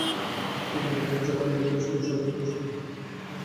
একমাত্র আমি ছাড়া আমার পরিবারের সবাই খুশি এবং জীবনকে উপভোগ করছে।